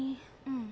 うん。